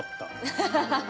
アハハハハ！